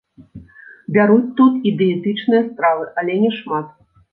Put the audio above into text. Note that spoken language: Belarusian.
Бяруць тут і дыетычныя стравы, але няшмат.